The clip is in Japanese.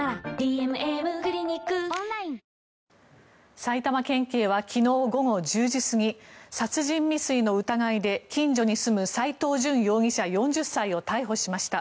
埼玉県警は昨日午後１０時過ぎ殺人未遂の疑いで近所に住む斎藤淳容疑者、４０歳を逮捕しました。